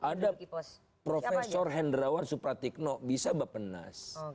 ada profesor hendrawar supratikno bisa bapenas